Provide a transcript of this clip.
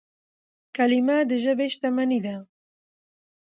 کلیمه د ژبي شتمني ده.